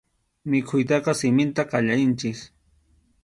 Mikhuytaqa siminta qallarinchik.